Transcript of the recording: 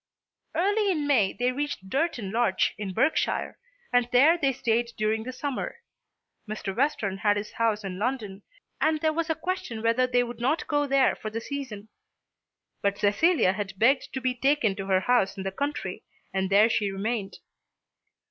Early in May they reached Durton Lodge, in Berkshire, and there they stayed during the summer. Mr. Western had his house in London, and there was a question whether they would not go there for the season. But Cecilia had begged to be taken to her house in the country, and there she remained.